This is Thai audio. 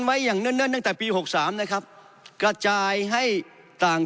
ไว้อย่างเนิ่นเนิ่นตั้งแต่ปีหกสามนะครับกระจายให้ต่าง